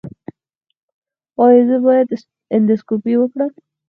ایا زه باید اندوسکوپي وکړم؟